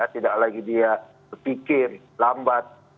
tidak lagi dia berpikir lambat